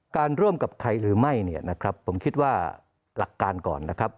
ร่วมกับใครหรือไม่เนี่ยนะครับผมคิดว่าหลักการก่อนนะครับ